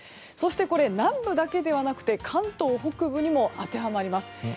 そして、南部だけではなくて関東北部にも当てはまります。